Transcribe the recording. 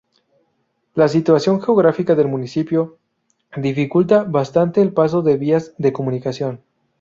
La situación geográfica del municipio dificulta bastante el paso de vías de comunicación.